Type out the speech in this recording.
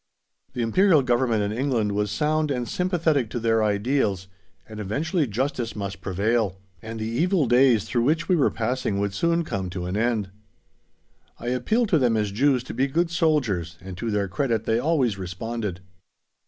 The Imperial Government in England was sound and sympathetic to their ideals, and eventually justice must prevail, and the evil days through which we were passing would soon come to an end. I appealed to them as Jews to be good soldiers, and, to their credit, they always responded.